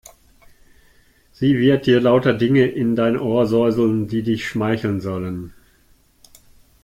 Sie wird dir lauter Dinge in dein Ohr säuseln, die dich schmeicheln sollen.